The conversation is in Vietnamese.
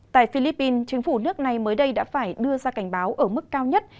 tại philippines chính phủ nước này mới đây đã phải đưa ra cảnh báo ở mức cao nhất